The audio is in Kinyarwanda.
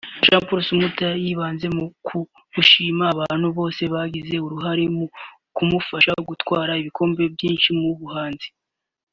Jean Paul Samputu yibanze ku gushima abantu bose bagize uruhare mu kumufasha gutwara ibikombe byinshi mu buhanzi